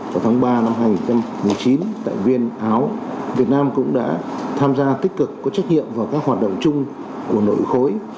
vào tháng ba năm hai nghìn một mươi chín tại viên áo việt nam cũng đã tham gia tích cực có trách nhiệm vào các hoạt động chung của nội khối